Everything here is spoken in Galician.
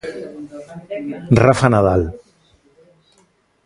Rafa Nadal.